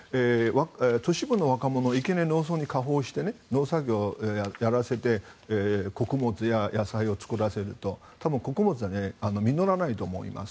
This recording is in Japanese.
都市部の若者がいきなり農村に行って農作業をやらせて穀物や野菜を作らせるとただ、穀物は実らないと思います。